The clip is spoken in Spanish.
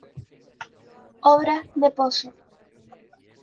Obra de Pozzo.